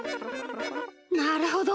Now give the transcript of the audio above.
なるほど。